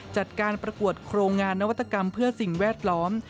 จัดการประกวดโครงงานนวัตกรรมเพื่อสิ่งแวดล้อม